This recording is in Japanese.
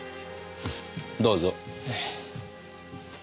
どうぞ。